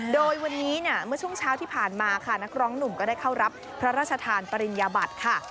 โดยวันนี้เนี่ยเมื่อช่วงเช้าที่ผ่านมาค่ะนักร้องหนุ่มก็ได้เข้ารับพระราชทานปริญญาบัติค่ะ